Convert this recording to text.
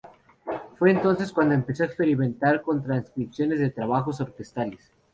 Fue entonces cuando empezó a experimentar con transcripciones de trabajos orquestales.